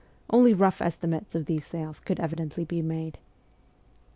Only rough estimates of these sales could evidently be made.